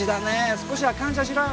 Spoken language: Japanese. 少しは感謝しろよ？